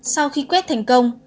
sau khi quét thành công